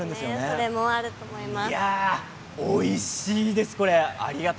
それもあると思います。